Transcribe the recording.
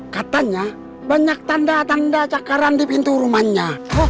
katanya banyak tanda tanda cakaran di pintu rumahnya